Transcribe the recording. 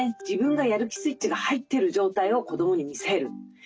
自分がやる気スイッチが入ってる状態を子どもに見せる。